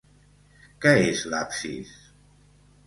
Què és l'absis?